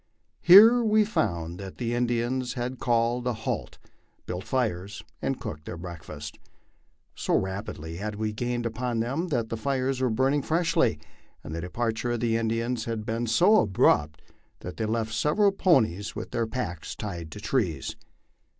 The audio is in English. Here we found that the Indians had called a halt, built fires, and cooked their breakfast. So rapidly had we gained upon them that the fires were burning freshly, and the departure of the Indians had been so abrupt that they left several ponies with their packs tied to trees.